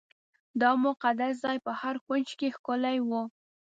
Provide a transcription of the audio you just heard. دا مقدس ځای په هر کونج کې ښکلی و.